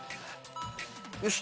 よし！